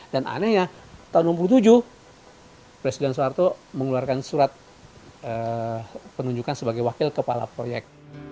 dan anehnya tahun enam puluh tujuh presiden soeharto mengeluarkan surat penunjukan sebagai wakil kepala proyek